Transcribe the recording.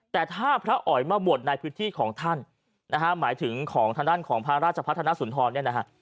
แต่ถ้าพระอ๋อยมาบวชในพื้นที่ของท่านนะฮะหมายถึงของทางด้านของพระราชพัฒนสุนทรเนี่ยนะฮะ